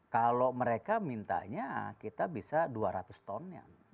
kalau mereka mintanya kita bisa dua ratus ton ya